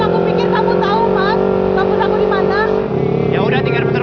lagian kamu gak denger saya tadi